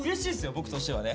僕としてはね。